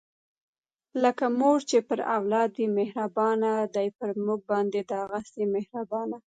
لکه مور چې پر اولاد وي مهربانه، دی پر مونږ باندې دغهسې مهربانه